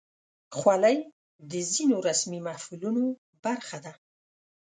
خولۍ د ځینو رسمي محفلونو برخه ده.